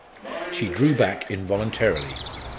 She drew back involuntarily.